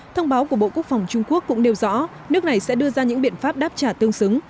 thông báo của bộ quốc phòng trung quốc cũng nêu rõ nước này sẽ đưa ra những biện pháp đáp trả tương xứng